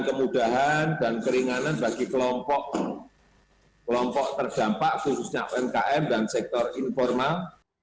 kemudahan dan keringanan bagi kelompok terdampak khususnya umkm dan sektor informal